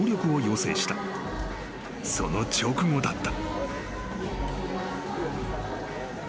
［その直後だった］